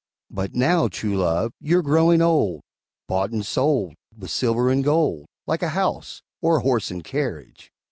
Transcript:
But now, True Love, you're growing old Bought and sold, with silver and gold, Like a house, or a horse and carriage!